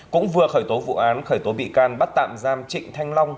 cũng vừa khởi tố vụ án khởi tố bị can bắt tạm giam trịnh thanh long